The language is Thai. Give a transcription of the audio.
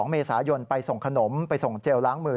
๒เมษายนไปส่งขนมไปส่งเจลล้างมือ